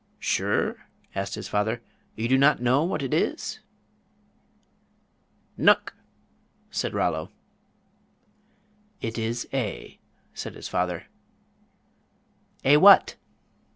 "Sure?" asked his father. "You do not know what it is?" "Nuck," said Rollo. "It is A," said his father. "A what?"